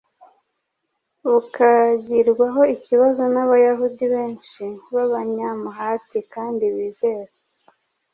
bukagirwaho ikibazo n’Abayahudi benshi b’abanyamuhati kandi bizera.